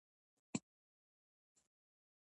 د حق لاره تل بریالۍ وي.